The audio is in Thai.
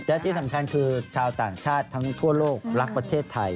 และที่สำคัญคือชาวต่างชาติทั้งทั่วโลกรักประเทศไทย